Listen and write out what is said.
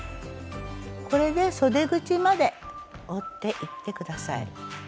これでそで口まで折っていって下さい。